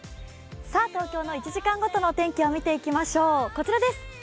東京の１時間ごとのお天気を見ていきましょう、こちらです。